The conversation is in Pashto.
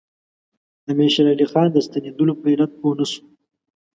امیر شېر علي خان د ستنېدلو په علت پوه نه شو.